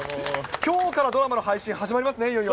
きょうからドラマの配信、始まりますね、いよいよ。